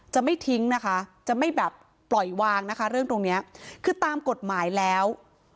จะไม่ทิ้งนะคะจะไม่แบบปล่อยวางนะคะเรื่องตรงเนี้ยคือตามกฎหมายแล้ว